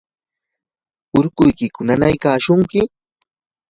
¿urkuykiku nanaykashunki?